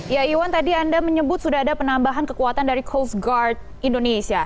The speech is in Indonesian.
ya iwan tadi anda menyebut sudah ada penambahan kekuatan dari coast guard indonesia